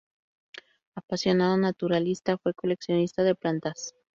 Apasionado naturalista, fue coleccionista de plantas.